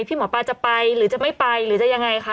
พี่หมอปลาจะไปหรือจะไม่ไปหรือจะยังไงคะ